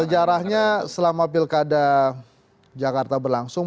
sejarahnya selama pilkada jakarta berlangsung